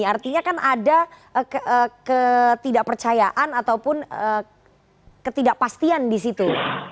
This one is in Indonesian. artinya kan ada ketidakpercayaan ataupun ketidakpastian disitu